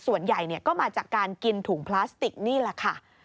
ส่วนใหญ่ก็มาจากการกินถุงพลาสติกนี่แหละค่ะ